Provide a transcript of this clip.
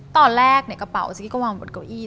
ตอนแรกกระเป๋าซีกีก็วางบนเก้าอี้